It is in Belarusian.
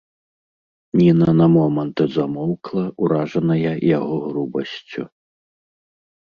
Ніна на момант замоўкла, уражаная яго грубасцю.